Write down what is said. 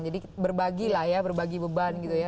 jadi berbagi lah ya berbagi beban gitu ya